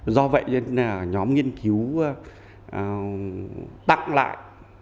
do vậy nên là nhóm nghiên cứu tặng lại